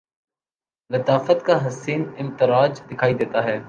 لطافت کا حسین امتزاج دکھائی دیتا ہے